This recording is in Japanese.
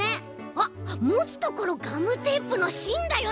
あっもつところガムテープのしんだよね？